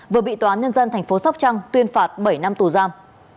vừa bị tòa án nhân dân tp sóc trăng tuyên phạt bảy năm tù giam